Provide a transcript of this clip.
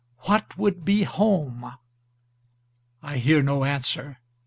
What would be home?I hear no answer.